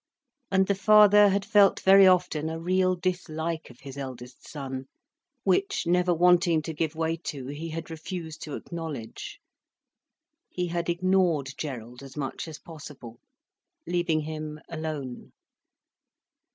And the father had felt very often a real dislike of his eldest son, which, never wanting to give way to, he had refused to acknowledge. He had ignored Gerald as much as possible, leaving him alone.